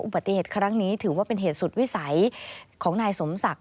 อุบัติเหตุครั้งนี้ถือว่าเป็นเหตุสุดวิสัยของนายสมศักดิ